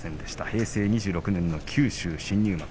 平成２６年の九州新入幕。